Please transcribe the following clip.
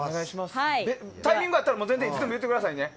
タイミング合ったらいつでも言うてくださいね。